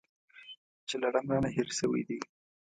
چې لړم رانه هېر شوی دی .